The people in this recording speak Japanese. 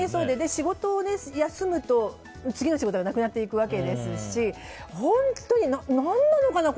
仕事を休むと次の仕事がなくなっていくわけですし本当に何なのかな